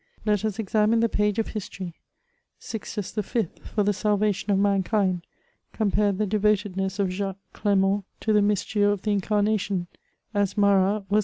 Let us examine the page of history: Sixtus the fifth, for the salvation of mankind, compared the devotedness of Jaques Clement to the mystery of the incarnation, as Marat was.